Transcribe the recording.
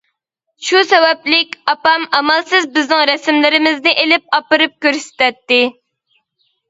شۇ سەۋەبلىك، ئاپام ئامالسىز بىزنىڭ رەسىملىرىمىزنى ئېلىپ ئاپىرىپ كۆرسىتەتتى.